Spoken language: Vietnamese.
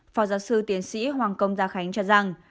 phó giáo sư tiến sĩ hoàng công gia khánh cho rằng